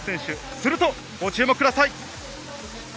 するとご注目ください。